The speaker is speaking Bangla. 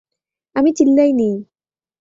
আমি চিল্লাই নি!